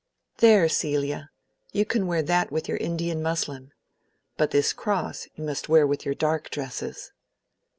"There, Celia! you can wear that with your Indian muslin. But this cross you must wear with your dark dresses."